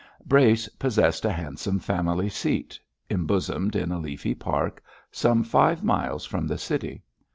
Brace possessed a handsome family seat, embosomed in a leafy park, some five miles from the city.